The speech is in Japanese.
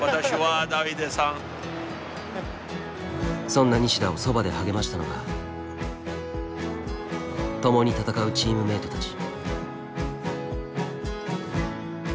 そんな西田をそばで励ましたのが共に戦うチームメイトたち。